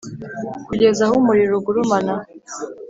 kugeza aho umuriro ugurumana.